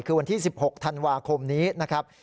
คือวันที่๑๖ธันวาคมนี้นะครับ